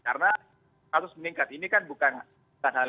karena kasus meningkat ini kan bukan hal yang serius